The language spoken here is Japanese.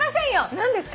何ですか。